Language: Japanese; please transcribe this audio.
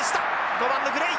５番のグレイ。